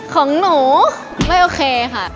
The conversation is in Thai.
ของหนูไม่โอเคค่ะ